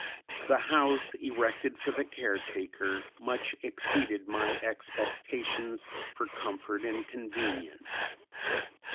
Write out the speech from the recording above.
The house erected for the caretaker much exceeded my expectations for comfort and convenience.